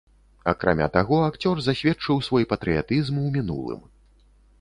Акрамя таго, акцёр засведчыў свой патрыятызм у мінулым.